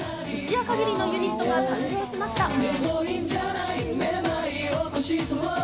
一夜限りのユニットが誕生しました。